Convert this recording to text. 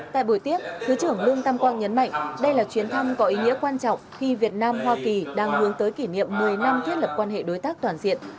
tại buổi tiếp thứ trưởng lương tam quang nhấn mạnh đây là chuyến thăm có ý nghĩa quan trọng khi việt nam hoa kỳ đang hướng tới kỷ niệm một mươi năm thiết lập quan hệ đối tác toàn diện